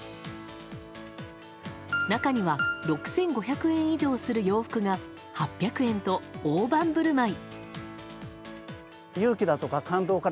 中には６５００円以上する洋服が８００円と大盤振る舞い。